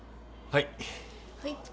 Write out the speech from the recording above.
はい。